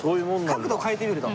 角度を変えてみると。